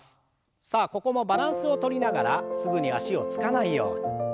さあここもバランスをとりながらすぐに脚をつかないよう。